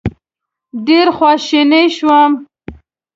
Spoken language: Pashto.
ډېر خواشینی شوم.